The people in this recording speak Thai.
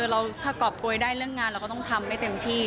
เราถ้ากรอบโกยได้เรื่องงานเราก็ต้องทำให้เต็มที่